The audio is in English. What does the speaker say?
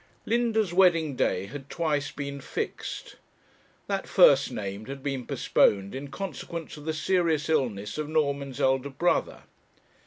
Linda's wedding day had twice been fixed. That first named had been postponed in consequence of the serious illness of Norman's elder brother.